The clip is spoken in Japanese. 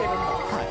はい。